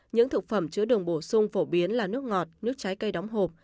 những thực phẩm chứa đường bổ sung phổ biến là nước ngọt nước trái cây đóng hộp